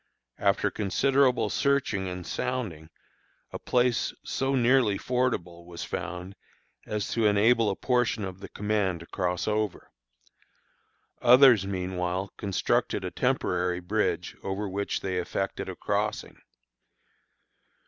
After considerable searching and sounding, a place so nearly fordable was found as to enable a portion of the command to cross over. Others meanwhile constructed a temporary bridge over which they effected a crossing.